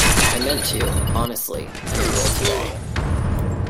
I meant to, honestly, and I will today.